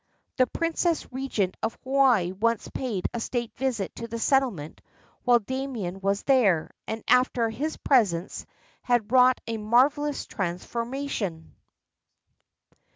The Princess Regent of Hawaii once paid a state visit to the settlement while Damien was there, and after his presence had wrought a marvelous transformation.